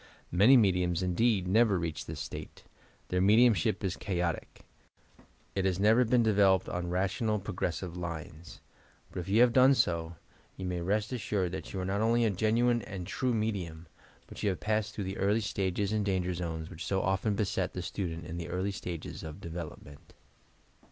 Many mediums, indeed, never reach this state. Their mediumship ia chaotic. It has never been developed on rational, pro gressive lines. But if you have done so, you may rest It 3 318 TOUR PSYCHIC POWERS aBsnred that you are not only a gpnuine and true me dium, but that you have passed through the early stages and danger zones which so often beset the student in the early stages of development.